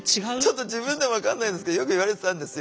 ちょっと自分でも分かんないんですけどよく言われてたんですよ。